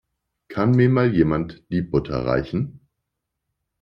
Kann mir mal jemand die Butter reichen?